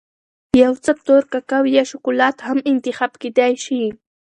یو څه تور کاکاو یا شکولات هم انتخاب کېدای شي.